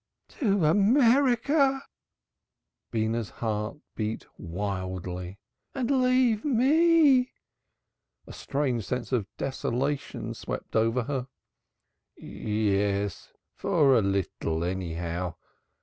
"To America!" Beenah's heartbeat wildly. "And leave me?" A strange sense of desolation swept over her. "Yes for a little, anyhow.